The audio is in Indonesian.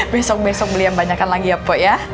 besok besok beli yang banyakan lagi ya pak ya